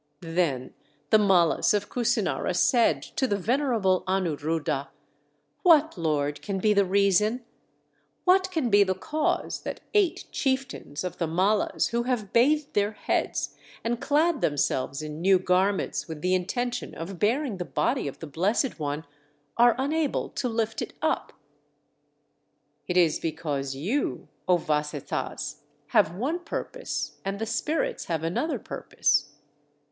Then the Mallas of Kusinara said to the venerable Anuruddha: "What, Lord, can be the reason, what can be the cause that eight chieftains of the Mallas who have bathed their heads, and clad themselves in new garments with the intention of bearing the body of the Blessed One, are unable to lift it up?" "It is because you, O Vasetthas, have one purpose and the spirits have another purpose."